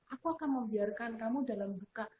aku akan membiarkan kamu dalam duka